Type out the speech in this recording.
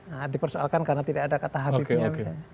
nah dipersoalkan karena tidak ada kata habibnya